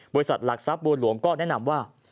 บริษัทหลักทรัพย์บัวหลวงก็แนะนำว่า